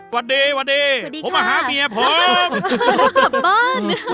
วันดีวันดีผมมาหาเมียพร้อมวันดีค่ะรับบ้าน